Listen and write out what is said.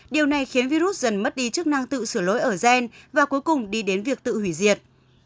điều này khiến virus dần mất đi chức năng tự sửa lỗi ở gen và cuối cùng đi đến việc tự hủy diệt